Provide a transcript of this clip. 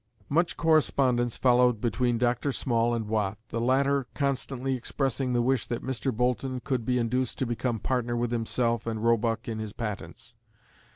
Much correspondence followed between Dr. Small and Watt, the latter constantly expressing the wish that Mr. Boulton could be induced to become partner with himself and Roebuck in his patents.